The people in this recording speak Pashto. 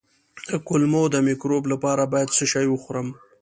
د کولمو د مکروب لپاره باید څه شی وخورم؟